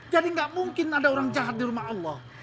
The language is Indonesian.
jadi nggak mungkin ada orang jahat di rumah allah